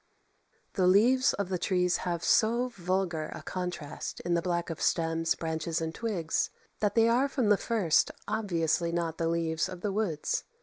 The leaves of the trees have so vulgar a contrast in the black of stems, branches, and twigs, that they are from the first obviously not the leaves of the woods.